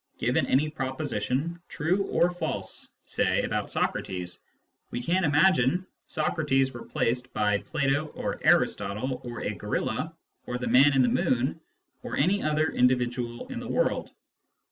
Given any proposition (true or false), say about Socrates, we can imagine Socrates replaced by Plato or Aristotle or a gorilla or the man in the moon or any other individual in the world.